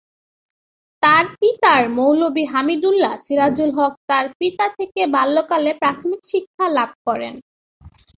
তার পিতার মৌলভি হামিদুল্লাহ, সিরাজুল হক তার পিতা থেকে বাল্যকালে প্রাথমিক শিক্ষা লাভ করেন।